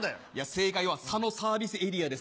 正解は佐野サービスエリアです。